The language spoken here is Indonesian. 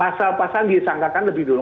pasal pasal disangkakan lebih dulu